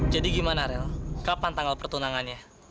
jadi gimana aurel kapan tanggal pertunangannya